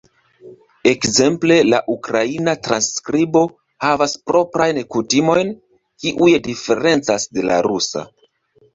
Ekzemple la ukraina transskribo havas proprajn kutimojn, kiuj diferencas de la rusa.